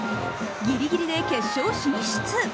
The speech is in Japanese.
ギリギリで決勝進出。